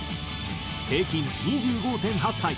平均２５．８歳。